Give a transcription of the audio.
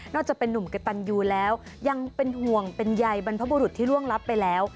จะเป็นนุ่มกระตันยูแล้วยังเป็นห่วงเป็นใยบรรพบุรุษที่ร่วงรับไปแล้ว